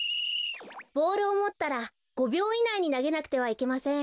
ボールをもったら５びょういないになげなくてはいけません。